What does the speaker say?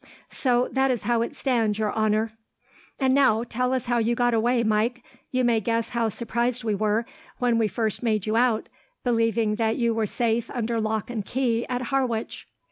"So that is how it stands, your honour." "And now, tell us how you got away, Mike. You may guess how surprised we were, when we first made you out, believing that you were safe under lock and key at Harwich."